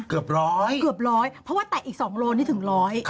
เกือบร้อยเกือบร้อยเพราะว่าแตะอีกสองโลนี่ถึงร้อย